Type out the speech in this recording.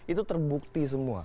itu terbukti semua